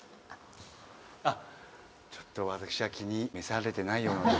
あっちょっと私は気に召されてないようなので。